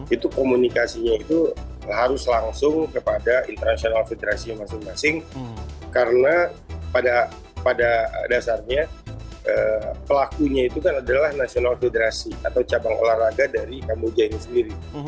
itu komunikasinya itu harus langsung kepada international federasi masing masing karena pada dasarnya pelakunya itu kan adalah national federasi atau cabang olahraga dari kamboja ini sendiri